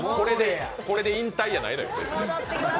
これで引退やないのよ。